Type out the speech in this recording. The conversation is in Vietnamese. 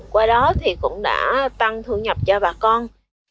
qua đó thì cũng đã tăng thu nhập cho bà con